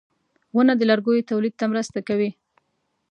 • ونه د لرګیو تولید ته مرسته کوي.